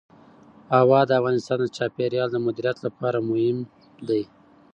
هوا د افغانستان د چاپیریال د مدیریت لپاره مهم دي.